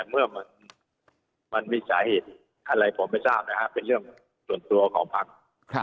แต่เมื่อมันมีฉาเหตุอะไรผมไม่ทราบนะครับร่วมเรื่องส่วนตัวของพรรษ